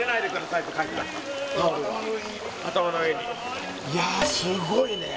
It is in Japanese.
いやすごいね。